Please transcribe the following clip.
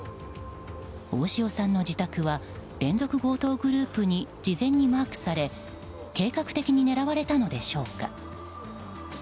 大塩さんの自宅は連続強盗グループに事前にマークされ計画的に狙われたのでしょうか。